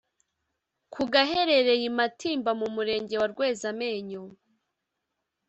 Ku gaherereye i Matimba mu Murenge wa Rwezamenyo